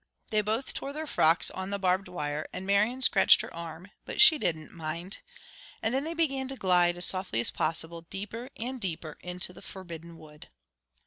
They both tore their frocks on the barbed wire, and Marian scratched her arm, but she didn't mind. And then they began to glide, as softly as possible, deeper and deeper into the forbidden wood.